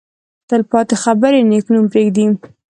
تل پاتې خبرې نېک نوم پرېږدي.